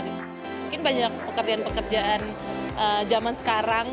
mungkin banyak pekerjaan pekerjaan zaman sekarang